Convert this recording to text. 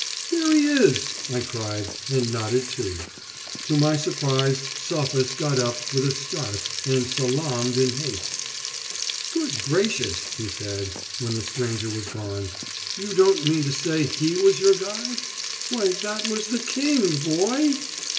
"There he is," I cried, and nodded too. To my surprise, Sophus got up with a start and salaamed in haste. "Good gracious!" he said, when the stranger was gone. "You don't mean to say he was your guide? Why, that was the King, boy!"